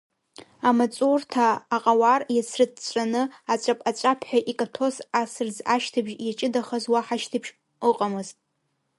Амаҵурҭа аҟауар иацрыҵәҵәаны аҵәаԥ-аҵәаԥҳәа икаҭәоз асырӡ ашьҭыбжь иаҷыдахаз уаҳа шьҭыбжь ыҟамызт.